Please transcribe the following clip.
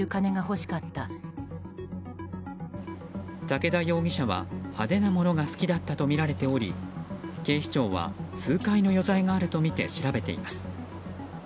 武田容疑者は派手なものが好きだったとみられており警視庁は数回の余罪があるとみて調べています。